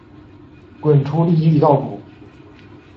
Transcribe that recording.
滚出粒粒稻谷